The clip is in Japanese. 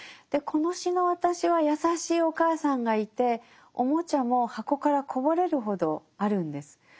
でこの詩の「私」は優しいお母さんがいて玩具も箱からこぼれるほどあるんです。